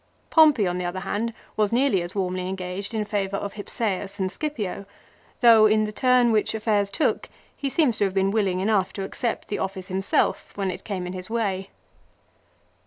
Pompey on the other hand was nearly as warmly engaged in favour of Hypsseus and Scipio, though in the turn which affairs took he seems to have been willing enough to accept the office himself when it came in his way.